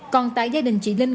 còn tại gia đình chị linh